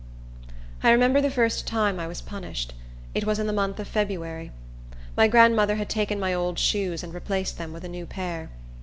I remember the first time I was punished. It was in the month of February. My grandmother had taken my old shoes, and replaced them with a new pair.